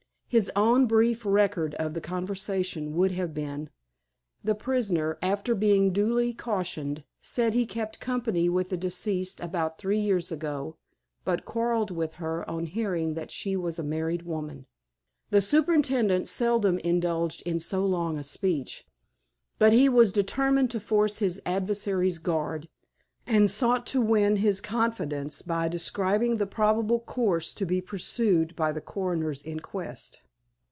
His own brief record of the conversation would have been:—"The prisoner, after being duly cautioned, said he kept company with the deceased about three years ago, but quarreled with her on hearing that she was a married woman." The superintendent seldom indulged in so long a speech, but he was determined to force his adversary's guard, and sought to win his confidence by describing the probable course to be pursued by the coroner's inquest.